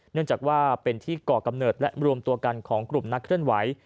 เนื่องจากว่าเป็นที่ก่อกำเนิดและรวมตัวกันของกลุ่มนักเคลื่อนไหว